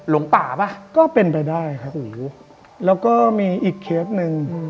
แล้วก็มีอีกเคสหนึ่ง